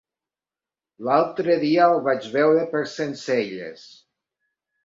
L'altre dia el vaig veure per Sencelles.